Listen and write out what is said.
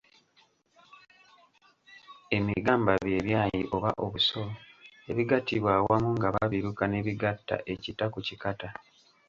Emigamba bye byayi oba obuso ebigattibwa awamu nga babiruka ne bigatta ekita ku kikata.